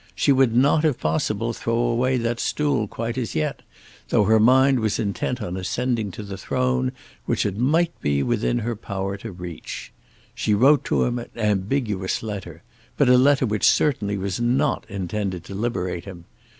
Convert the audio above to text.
She would not if possible throw away that stool quite as yet, though her mind was intent on ascending to the throne which it might be within her power to reach. She wrote to him an ambiguous letter, but a letter which certainly was not intended to liberate him.